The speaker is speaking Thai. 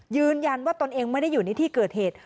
ยืนยันว่าตนเองไม่ได้อยู่ในที่เกิดเหตุ